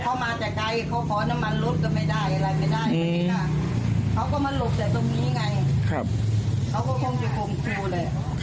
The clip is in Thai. ยายอึ๋งจ่ายเงินคนหนึ่ง